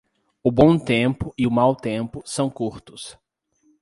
O bom tempo e o mau tempo são curtos.